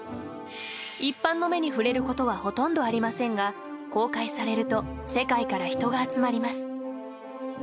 一般の目に触れることはほとんどありませんが公開されると世界から人が集まります。